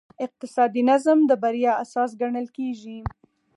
اقتصادي نظم د بریا اساس ګڼل کېږي.